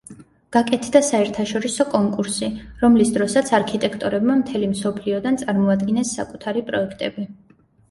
გაკეთდა საერთაშორისო კონკურსი, რომლის დროსაც არქიტექტორებმა მთელი მსოფლიოდან წარმოადგინეს საკუთარი პროექტები.